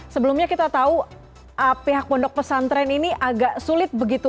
sebelumnya kita tahu pihak pondok pesantren ini agak sulit begitu